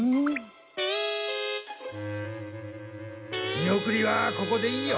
見送りはここでいいよ。